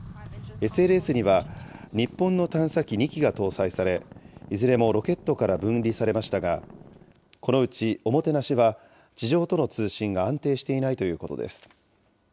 ＳＬＳには日本の探査機２機が搭載され、いずれもロケットから分離されましたが、このうちＯＭＯＴＥＮＡＳＨＩは、地上との通信が安定していないということです。